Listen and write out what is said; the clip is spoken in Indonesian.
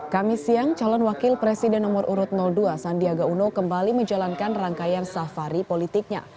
kami siang calon wakil presiden nomor urut dua sandiaga uno kembali menjalankan rangkaian safari politiknya